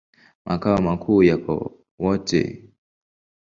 Makao makuu yako Wote.